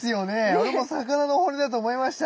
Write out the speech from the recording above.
俺も魚の骨だと思いました。